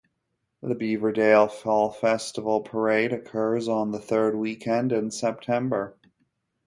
The Beaverdale Fall Festival parade occurs on the third weekend in September.